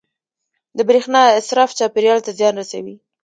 • د برېښنا اسراف چاپېریال ته زیان رسوي.